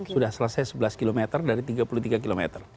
sudah selesai sebelas km dari tiga puluh tiga km